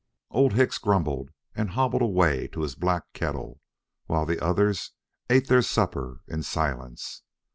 Old Hicks grumbled and hobbled away to his black kettle, while the others ate their supper in silence.